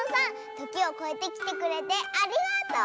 ときをこえてきてくれてありがとう！